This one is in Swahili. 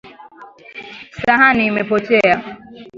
Sahani imepotea